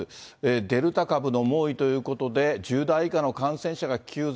デルタ株の猛威ということで、１０代以下の感染者が急増。